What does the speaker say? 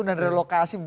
dan dari lokasi